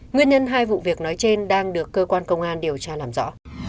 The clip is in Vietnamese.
nguyên nhân hai vụ việc nói trên đang được cơ quan công an điều tra làm rõ